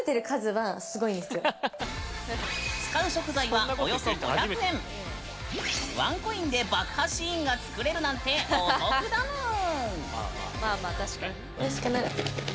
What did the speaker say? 使う食材はワンコインで爆破シーンが作れるなんてお得だぬん！